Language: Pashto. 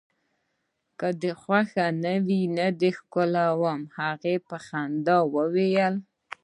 که دي خوښه نه وي، نه دي ښکلوم. هغه په خندا وویل.